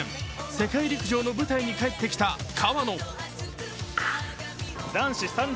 世界陸上の舞台に帰ってきた川野。